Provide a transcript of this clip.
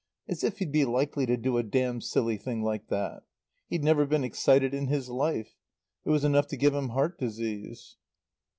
As if he'd be likely to do a damn silly thing like that. He'd never been excited in his life. It was enough to give him heart disease.